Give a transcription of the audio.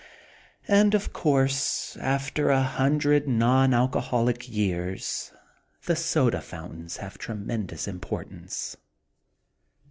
And, of course, after a hundred non alcoholic years the soda fountains have tremendous importance.